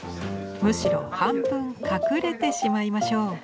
むしろ半分隠れてしまいましょう。